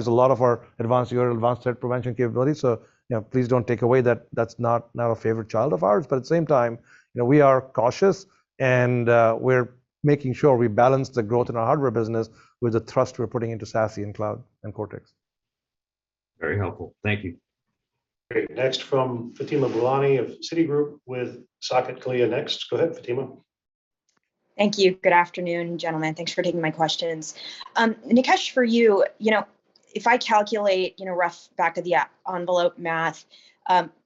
a lot of our advanced URL, advanced threat prevention capabilities. You know, please don't take away that that's not a favorite child of ours. At the same time, you know, we are cautious and we're making sure we balance the growth in our hardware business with the thrust we're putting into SASE and cloud and Cortex. Very helpful. Thank you. Great. Next from Fatima Boolani of Citigroup with Saket Kalia next. Go ahead, Fatima. Thank you. Good afternoon, gentlemen. Thanks for taking my questions. Nikesh, for you know, if I calculate, you know, rough back-of-the-envelope math,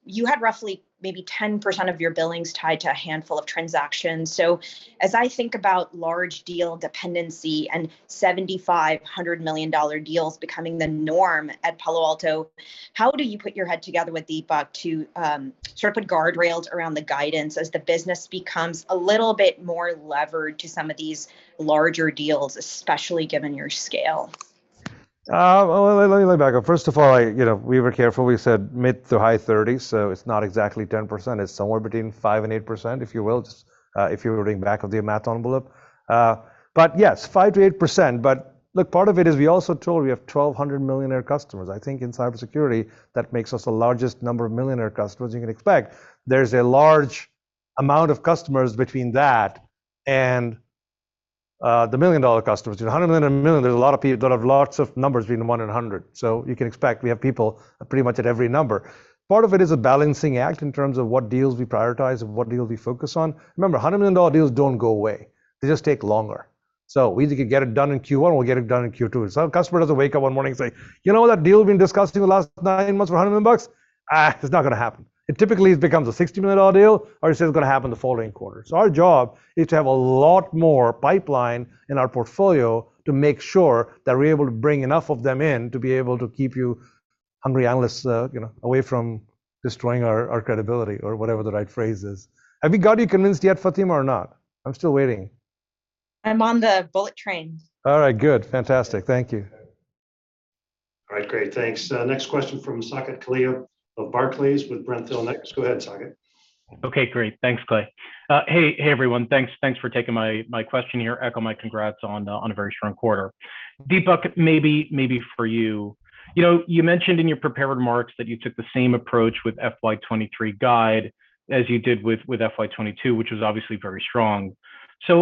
you had roughly maybe 10% of your billings tied to a handful of transactions. As I think about large deal dependency and $7.5 billion deals becoming the norm at Palo Alto, how do you put your heads together with Dipak to sort of put guardrails around the guidance as the business becomes a little bit more levered to some of these larger deals, especially given your scale? Well, let me back that up. First of all, you know, we were careful. We said mid- to high 30s, so it's not exactly 10%. It's somewhere between 5% and 8%, if you will, just if you're reading back-of-the-envelope math. Yes, 5%-8%. Look, part of it is we also told we have 1,200 millionaire customers. I think in cybersecurity, that makes us the largest number of millionaire customers you can expect. There's a large amount of customers between that and the million-dollar customers. You know, $100 million and $1 million, there's a lot of people that have lots of numbers between one and 100. You can expect we have people pretty much at every number. Part of it is a balancing act in terms of what deals we prioritize and what deals we focus on. Remember, $100 million deals don't go away. They just take longer. We either could get it done in Q1 or we'll get it done in Q2. A customer doesn't wake up one morning and say, "You know that deal we've been discussing the last nine months for a $100 million bucks? It's not gonna happen." It typically becomes a $60 million deal, or it's gonna happen the following quarter. Our job is to have a lot more pipeline in our portfolio to make sure that we're able to bring enough of them in to be able to keep you hungry analysts away from destroying our credibility or whatever the right phrase is. Have we got you convinced yet, Fatima, or not? I'm still waiting. I'm on the bullet train. All right, good. Fantastic. Thank you. All right, great. Thanks. Next question from Saket Kalia of Barclays with Brent Thill next. Go ahead, Saket. Okay, great. Thanks, Clay. Hey everyone. Thanks for taking my question here. Echo my congrats on a very strong quarter. Dipak, maybe for you. You know, you mentioned in your prepared remarks that you took the same approach with FY 2023 guide as you did with FY 2022, which was obviously very strong.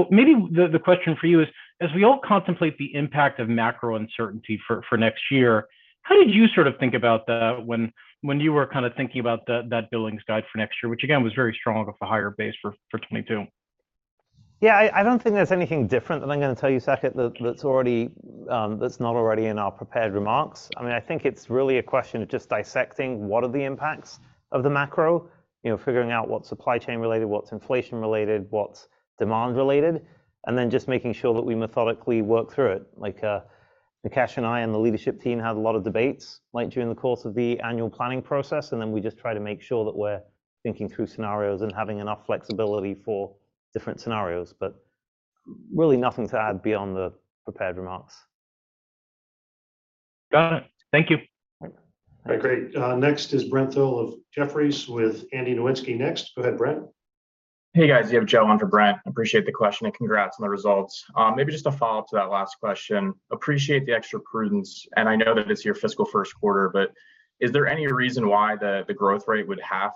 Maybe the question for you is, as we all contemplate the impact of macro uncertainty for next year, how did you sort of think about when you were kinda thinking about that billings guide for next year, which again, was very strong with the higher base for 2022? Yeah, I don't think there's anything different that I'm gonna tell you, Saket, that that's not already in our prepared remarks. I mean, I think it's really a question of just dissecting what are the impacts of the macro, you know, figuring out what's supply chain related, what's inflation related, what's demand related, and then just making sure that we methodically work through it. Like, Nikesh and I and the leadership team had a lot of debates like during the course of the annual planning process, and then we just try to make sure that we're thinking through scenarios and having enough flexibility for different scenarios. Really nothing to add beyond the prepared remarks. Got it. Thank you. All right. All right, great. Next is Brent Thill of Jefferies with Andrew Nowinski next. Go ahead, Brent. Hey, guys. You have Joe on for Brent. Appreciate the question and congrats on the results. Maybe just a follow-up to that last question. Appreciate the extra prudence, and I know that it's your fiscal first quarter, but is there any reason why the growth rate would halve?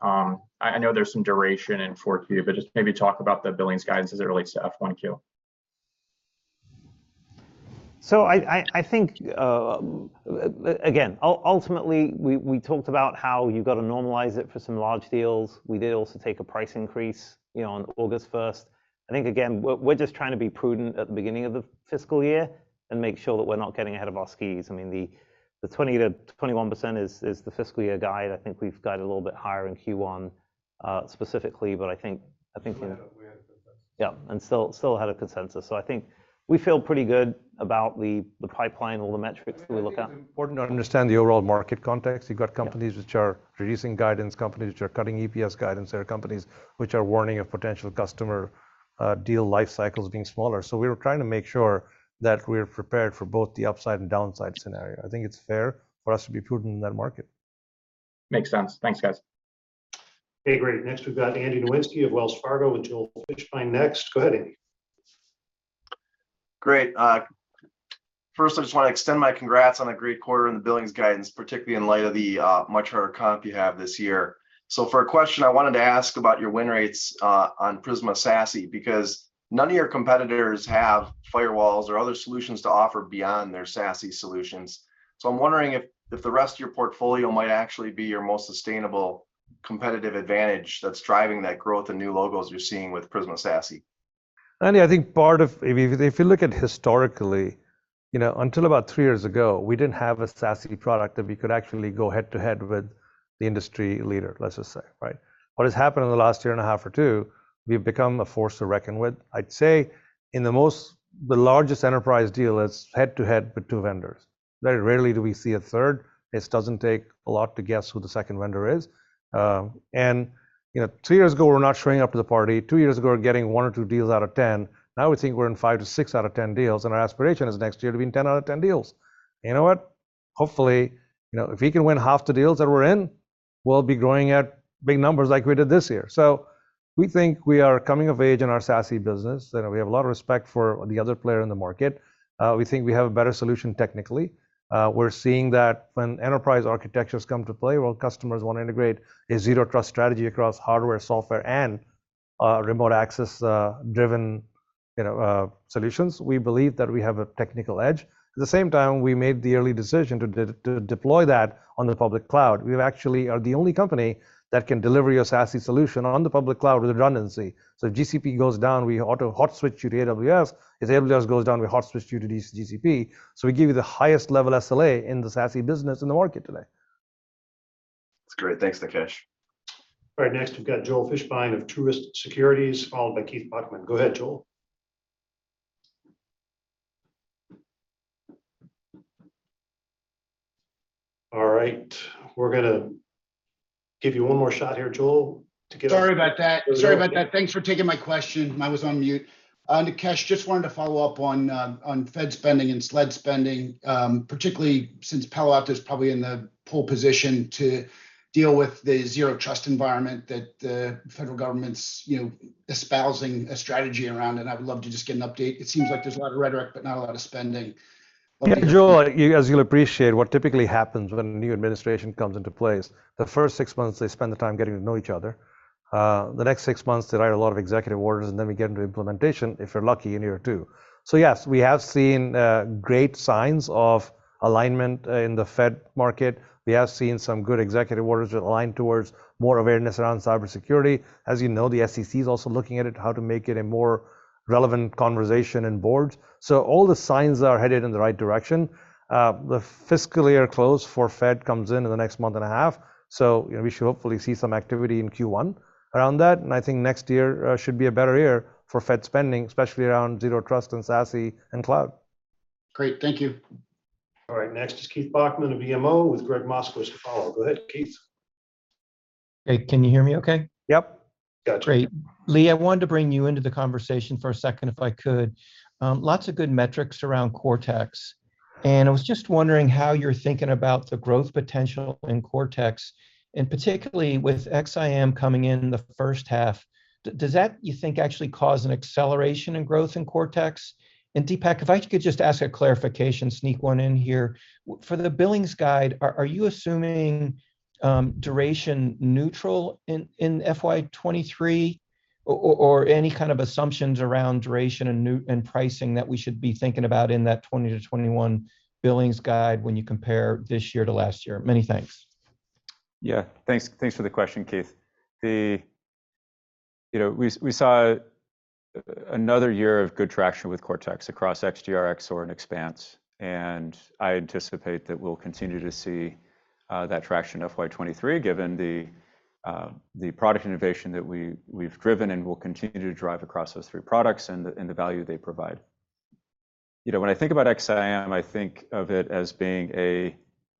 I know there's some duration in 4Q, but just maybe talk about the billings guidance as it relates to F1Q. I think, again, ultimately, we talked about how you've got to normalize it for some large deals. We did also take a price increase, you know, on August first. I think again, we're just trying to be prudent at the beginning of the fiscal year and make sure that we're not getting ahead of our skis. I mean, the 20%-1% is the fiscal year guide. I think we've guided a little bit higher in Q1, specifically, but I think. We had a consensus. Yeah, still had a consensus. I think we feel pretty good about the pipeline, all the metrics that we look at. I think it's important to understand the overall market context. You've got companies which are reducing guidance, companies which are cutting EPS guidance, there are companies which are warning of potential customer deal life cycles being smaller. We were trying to make sure that we're prepared for both the upside and downside scenario. I think it's fair for us to be prudent in that market. Makes sense. Thanks, guys. Okay, great. Next we've got Andrew Nowinski of Wells Fargo with Joel Fishbein next. Go ahead, Andy. Great. First I just wanna extend my congrats on a great quarter in the billings guidance, particularly in light of the much harder comp you have this year. For a question, I wanted to ask about your win rates on Prisma SASE, because none of your competitors have firewalls or other solutions to offer beyond their SASE solutions. I'm wondering if the rest of your portfolio might actually be your most sustainable competitive advantage that's driving that growth and new logos you're seeing with Prisma SASE. Andy, I think if you look at historically, you know, until about three years ago, we didn't have a SASE product that we could actually go head to head with the industry leader, let's just say, right? What has happened in the last year and a half or two, we've become a force to reckon with. I'd say the largest enterprise deal is head to head with two vendors. Very rarely do we see a third. It doesn't take a lot to guess who the second vendor is. You know, two years ago, we're not showing up to the party. Two years ago, we're getting one or two deals out of 10. Now we think we're in 5-6 out of 10 deals, and our aspiration is next year to be in 10 out of 10 deals. You know what? Hopefully, you know, if we can win half the deals that we're in, we'll be growing at big numbers like we did this year. We think we are coming of age in our SASE business, and we have a lot of respect for the other player in the market. We think we have a better solution technically. We're seeing that when enterprise architectures come to play, where customers wanna integrate a Zero Trust strategy across hardware, software, and remote access driven, you know, solutions, we believe that we have a technical edge. At the same time, we made the early decision to deploy that on the public cloud. We actually are the only company that can deliver your SASE solution on the public cloud with redundancy. If GCP goes down, we auto hot switch to AWS. If AWS goes down, we hot switch you to GCP. We give you the highest level SLA in the SASE business in the market today. That's great. Thanks, Nikesh. All right, next we've got Joel Fishbein of Truist Securities, followed by Keith Bachman. Go ahead, Joel. All right. Giving you one more shot here, Joel, to get. Sorry about that. There we go. Sorry about that. Thanks for taking my question. I was on mute. Nikesh, just wanted to follow up on Fed spending and SLED spending, particularly since Palo Alto's probably in the pole position to deal with the Zero Trust environment that the federal government's, you know, espousing a strategy around, and I would love to just get an update. It seems like there's a lot of rhetoric, but not a lot of spending. Yeah, Joel, you guys, you'll appreciate what typically happens when a new administration comes into place. The first six months, they spend the time getting to know each other. The next six months, they write a lot of executive orders, and then we get into implementation, if you're lucky, in year two. Yes, we have seen great signs of alignment in the Fed market. We have seen some good executive orders that align towards more awareness around cybersecurity. As you know, the SEC is also looking at it, how to make it a more relevant conversation in boards. All the signs are headed in the right direction. The fiscal year close for Fed comes in in the next month and a half. You know, we should hopefully see some activity in Q1 around that, and I think next year should be a better year for Fed spending, especially around Zero Trust and SASE and cloud. Great. Thank you. All right, next is Keith Bachman of BMO, with Gregg Moskowitz to follow. Go ahead, Keith. Hey, can you hear me okay? Yep. Gotcha. Great. Lee, I wanted to bring you into the conversation for a second if I could. Lots of good metrics around Cortex, and I was just wondering how you're thinking about the growth potential in Cortex, and particularly with XSIAM coming in the first half. Does that, you think, actually cause an acceleration in growth in Cortex? Dipak, if I could just ask a clarification, sneak one in here. For the billings guide, are you assuming duration neutral in FY 2023? Or any kind of assumptions around duration and new, and pricing that we should be thinking about in that 20%-21% billings guide when you compare this year to last year? Many thanks. Yeah, thanks. Thanks for the question, Keith. You know, we saw another year of good traction with Cortex across XDR, XSOAR, and Xpanse. I anticipate that we'll continue to see that traction in FY 2023, given the product innovation that we've driven and will continue to drive across those three products and the value they provide. You know, when I think about XSIAM, I think of it as being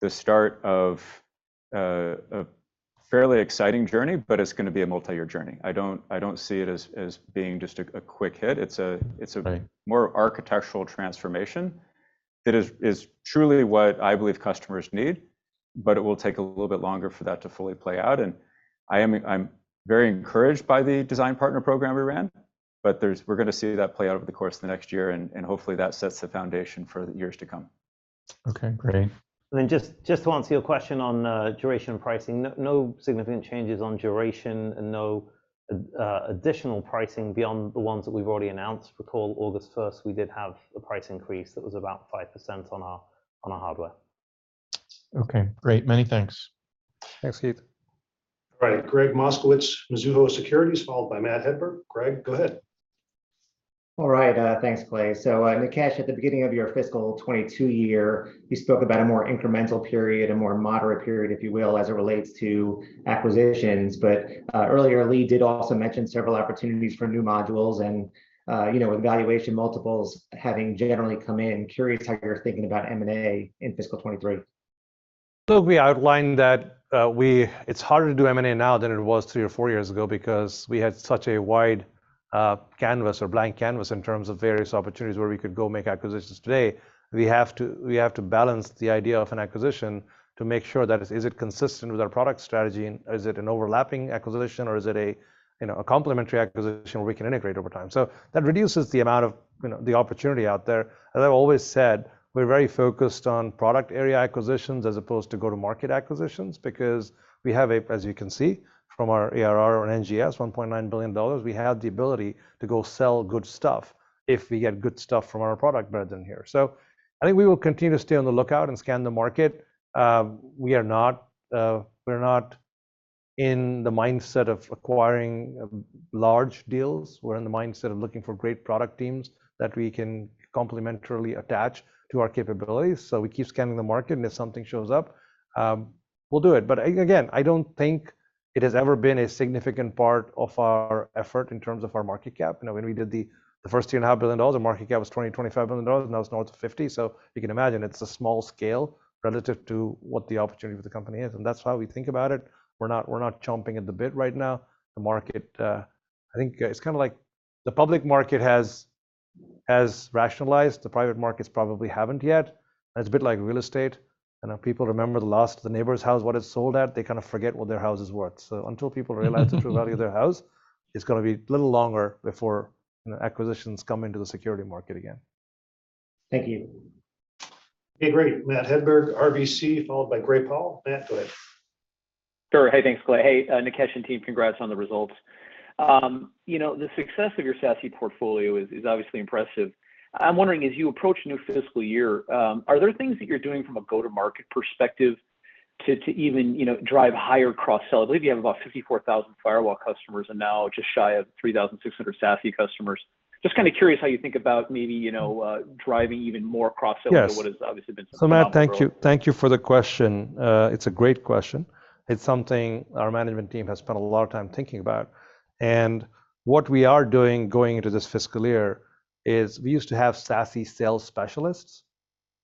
the start of a fairly exciting journey, but it's gonna be a multi-year journey. I don't see it as being just a quick hit. Right more architectural transformation that is truly what I believe customers need, but it will take a little bit longer for that to fully play out. I'm very encouraged by the design partner program we ran, but there's, we're gonna see that play out over the course of the next year and hopefully that sets the foundation for years to come. Okay, great. Just to answer your question on duration and pricing. No significant changes on duration and no additional pricing beyond the ones that we've already announced. Recall August 1st, we did have a price increase that was about 5% on our hardware. Okay, great. Many thanks. Thanks, Keith. All right. Gregg Moskowitz, Mizuho Securities, followed by Matthew Hedberg. Greg, go ahead. All right. Thanks, Clay. Nikesh, at the beginning of your fiscal 2022 year, you spoke about a more incremental period, a more moderate period, if you will, as it relates to acquisitions. Earlier Lee did also mention several opportunities for new modules and, you know, with valuation multiples having generally come in, curious how you're thinking about M&A in fiscal 2023. Look, we outlined that. It's harder to do M&A now than it was three or four years ago because we had such a wide canvas or blank canvas in terms of various opportunities where we could go make acquisitions. Today, we have to balance the idea of an acquisition to make sure that is it consistent with our product strategy, and is it an overlapping acquisition or is it a, you know, a complementary acquisition where we can integrate over time. That reduces the amount of, you know, the opportunity out there. As I've always said, we're very focused on product area acquisitions as opposed to go-to-market acquisitions because we have, as you can see from our ARR or NGS, $1.9 billion, we have the ability to go sell good stuff if we get good stuff from our product brethren here. I think we will continue to stay on the lookout and scan the market. We're not in the mindset of acquiring large deals. We're in the mindset of looking for great product teams that we can complementarily attach to our capabilities. We keep scanning the market, and if something shows up, we'll do it. Again, I don't think it has ever been a significant part of our effort in terms of our market cap. You know, when we did the first $2.5 billion, our market cap was $20-$25 million. Now it's north of $50 billion. You can imagine it's a small scale relative to what the opportunity for the company is, and that's why we think about it. We're not chomping at the bit right now. The market, I think it's kinda like the public market has rationalized. The private markets probably haven't yet. It's a bit like real estate. I know people remember the last, the neighbor's house, what it sold at. They kind of forget what their house is worth. Until people realize the true value of their house, it's gonna be a little longer before acquisitions come into the security market again. Thank you. Okay, great. Matthew Hedberg, RBC, followed by Gray Powell. Matt, go ahead. Sure. Hey, thanks, Clay. Hey, Nikesh and team, congrats on the results. You know, the success of your SASE portfolio is obviously impressive. I'm wondering, as you approach a new fiscal year, are there things that you're doing from a go-to-market perspective to even, you know, drive higher cross-sell? I believe you have about 54,000 firewall customers and now just shy of 3,600 SASE customers. Just kinda curious how you think about maybe, you know, driving even more cross-sell. Yes to what has obviously been some phenomenal growth. Matt, thank you. Thank you for the question. It's a great question. It's something our management team has spent a lot of time thinking about. What we are doing going into this fiscal year is we used to have SASE sales specialists.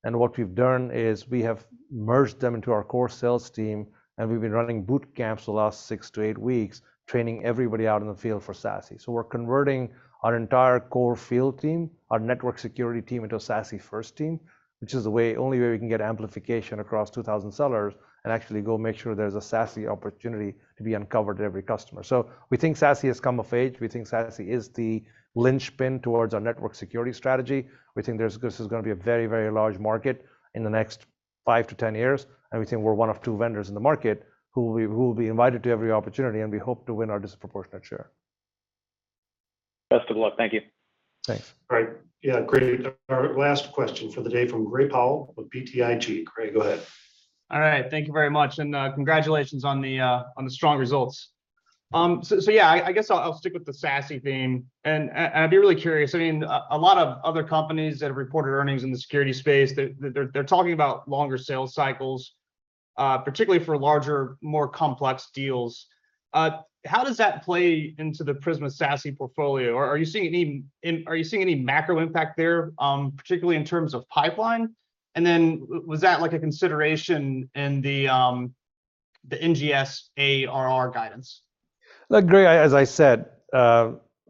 And what we've done is we have merged them into our core sales team, and we've been running boot camps the last 6-8 weeks, training everybody out in the field for SASE. We're converting our entire core field team, our network security team, into a SASE first team, which is the only way we can get amplification across 2,000 sellers and actually go make sure there's a SASE opportunity to be uncovered to every customer. We think SASE has come of age. We think SASE is the linchpin towards our network security strategy. We think there's This is gonna be a very, very large market in the next 5-10 years, and we think we're one of two vendors in the market who will be invited to every opportunity, and we hope to win our disproportionate share. Best of luck. Thank you. Thanks. All right. Yeah, great. Our last question for the day from Gray Powell with BTIG. Gray, go ahead. All right. Thank you very much, and congratulations on the strong results. Yeah, I guess I'll stick with the SASE theme, and I'd be really curious. I mean, a lot of other companies that have reported earnings in the security space, they're talking about longer sales cycles, particularly for larger, more complex deals. How does that play into the Prisma SASE portfolio? Or are you seeing any macro impact there, particularly in terms of pipeline? Was that like a consideration in the NGS ARR guidance? Look, Gray, as I said,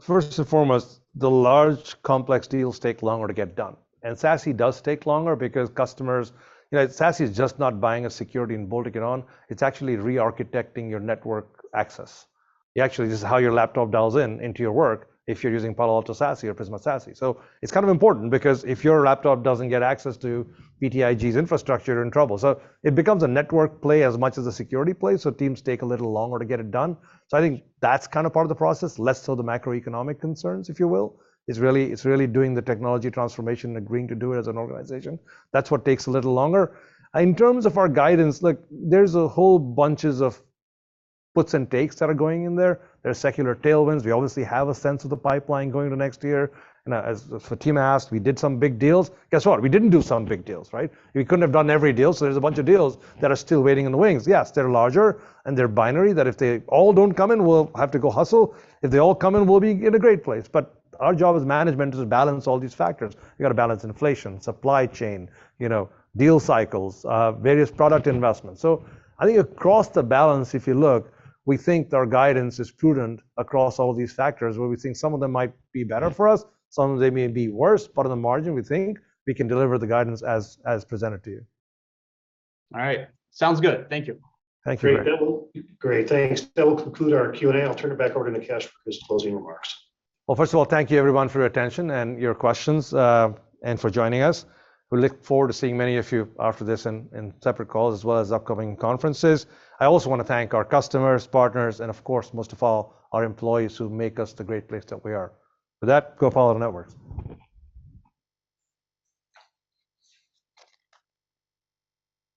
first and foremost, the large complex deals take longer to get done. SASE does take longer because customers, you know, SASE is just not buying a security and bolting it on. It's actually re-architecting your network access. Actually, this is how your laptop dials into your work if you're using Prisma SASE. It's kind of important because if your laptop doesn't get access to BTIG's infrastructure, you're in trouble. It becomes a network play as much as a security play, so teams take a little longer to get it done. I think that's kind of part of the process. Less so the macroeconomic concerns, if you will. It's really doing the technology transformation and agreeing to do it as an organization. That's what takes a little longer. In terms of our guidance, look, there's a whole bunches of puts and takes that are going in there. There's secular tailwinds. We obviously have a sense of the pipeline going to next year. As Fatima asked, we did some big deals. Guess what? We didn't do some big deals, right? We couldn't have done every deal, so there's a bunch of deals that are still waiting in the wings. Yes, they're larger, and they're binary that if they all don't come in, we'll have to go hustle. If they all come in, we'll be in a great place. Our job as management is to balance all these factors. We got to balance inflation, supply chain, you know, deal cycles, various product investments. I think across the balance, if you look, we think our guidance is prudent across all these factors, where we think some of them might be better for us, some of them may be worse, but on the margin, we think we can deliver the guidance as presented to you. All right. Sounds good. Thank you. Thank you, Gray. Great. Thanks. That will conclude our Q&A. I'll turn it back over to Nikesh for his closing remarks. Well, first of all, thank you everyone for your attention and your questions, and for joining us. We look forward to seeing many of you after this in separate calls as well as upcoming conferences. I also want to thank our customers, partners, and of course, most of all, our employees who make us the great place that we are. With that, go Palo Alto Networks.